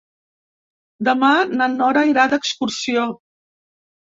Demà na Nora irà d'excursió.